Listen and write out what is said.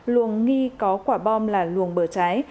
luồng nghi có quả bom là luồng bờ trái